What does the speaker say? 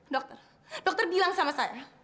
dokter dokter bilang sama saya